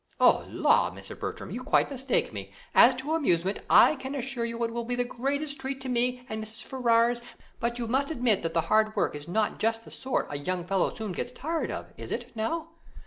"Oh, law, Mr. Bertram, you quite mistake me; as to amusement, I can assure you it will be the greatest treat to me and Mrs. Ferrars; but you must admit that the hard work is not just the sort a young fellow gets soon tired of, is it, now?"